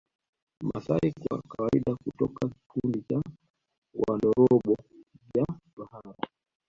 Mmasai kwa kawaida hutoka kikundi cha Wandorobo vya tohara